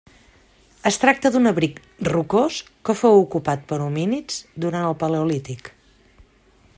Es tracta d'un abric rocós que fou ocupat per homínids durant el paleolític.